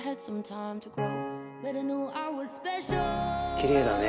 きれいだね。